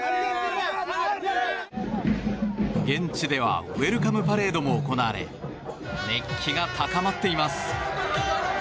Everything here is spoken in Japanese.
現地ではウェルカムパレードも行われ熱気が高まっています。